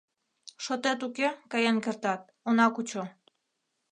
Шотет уке, каен кертат, она кучо.